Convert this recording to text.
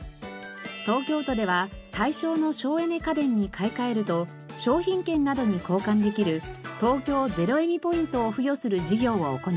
東京都では対象の省エネ家電に買い替えると商品券などに交換できる東京ゼロエミポイントを付与する事業を行っています。